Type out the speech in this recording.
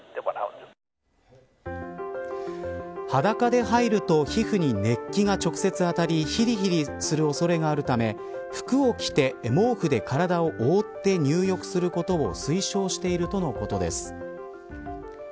裸で入ると皮膚に熱気が直接当たりひりひりする恐れがあるため服を着て、毛布で体を覆って入浴することを推奨しているとのことです。